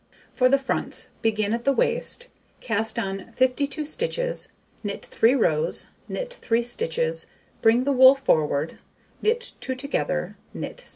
For the fronts, begin at the waist, cast on 52 stitches; knit 3 rows, knit 3 stitches, bring the wool forward, knit 2 together, knit 6.